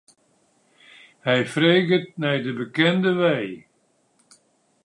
Hy freget nei de bekende wei.